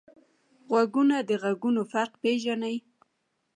غوږونه د غږونو فرق پېژني